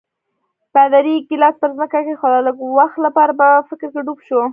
پادري ګیلاس پر ځمکه کېښود او لږ وخت لپاره په فکر کې ډوب شو.